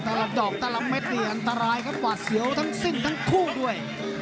ตัำละดอกตะละไม่เหรียญอันตรายครับกวาดเซียวทั้งซึ้งทั้งคู่ด้วย